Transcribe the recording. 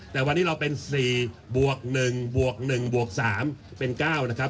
แต่วันนี้เราเป็น๔บวก๑บวก๑บวก๓เป็น๙นะครับ